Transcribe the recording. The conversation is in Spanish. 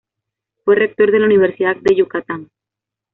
Fue rector de la Universidad de Yucatán.